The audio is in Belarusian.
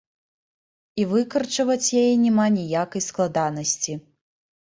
І выкарчаваць яе няма ніякай складанасці.